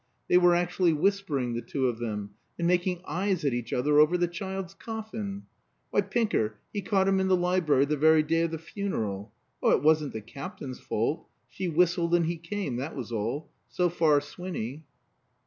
They were actually whispering the two of them, and making eyes at each other over the child's coffin. Why, Pinker, he caught 'em in the library the very day of the funeral. Oh, it wasn't the Captain's fault. She whistled and he came, that was all. So far Swinny.